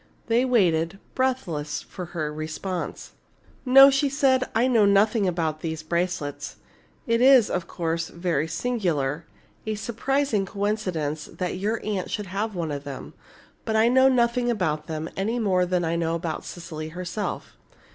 They waited, breathless, for her response. "No," she said, "I know nothing about these bracelets. It is, of course, very singular a surprising coincidence that your aunt should have one of them. But I know nothing about them, any more than I know about Cecily herself."